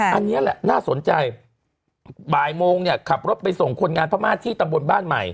อันนี้แหละน่าสนใจบ่ายโมงเนี่ยขับรถไปส่งคนงานพม่าที่ตำบลบ้านใหม่